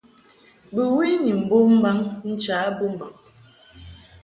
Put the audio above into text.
Bɨwi ni mbom mbaŋ ncha bɨmbaŋ.